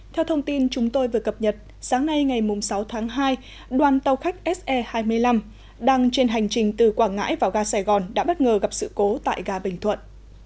theo thông tin chúng tôi vừa cập nhật sáng nay ngày sáu tháng hai đoàn tàu khách se hai mươi năm đang trên hành trình từ quảng ngãi vào ga sài gòn đã bất ngờ gặp sự cố tại ga bình thuận